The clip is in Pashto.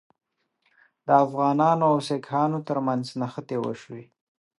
د افغانانو او سیکهانو ترمنځ نښتې وشوې.